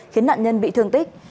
khiến nạn nhân bị thương tích